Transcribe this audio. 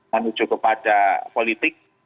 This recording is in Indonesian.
menuju kepada politik